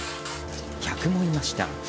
客もいました。